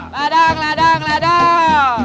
ladang ladang ladang